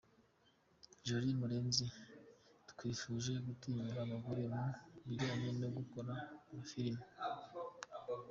Jolie Murenzi: Twifuje gutinyura abagore mu bijyanye no gukora amafilimi.